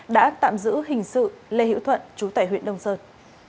đã tạm giữ hình sự lê hiễu thuận trú tại huyện đông sơn